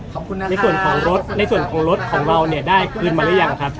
ในส่วนของรถในส่วนของรถของเราเนี่ยได้คืนมาหรือยังครับ